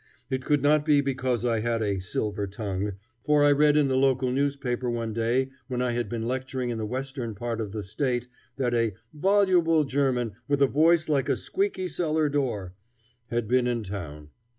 It could not be because I had a "silver tongue," for I read in the local newspaper one day when I had been lecturing in the western part of the state that "a voluble German with a voice like a squeaky cellar door" had been in town.